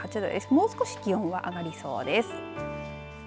もう少し気温は上がりそうです。